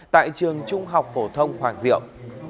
tại trường trung học phổ thông hoàng diệu